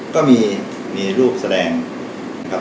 ก็มีรูปแสดงนะครับ